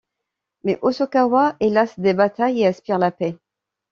Mais Hosokawa est las des batailles et aspire à la paix.